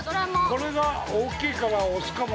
◆これが大きいから押すかも。